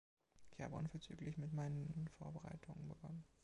Ich habe unverzüglich mit meinen Vorbereitungen begonnen.